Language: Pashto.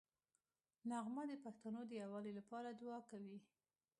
نغمه د پښتنو د یووالي لپاره دوعا کوي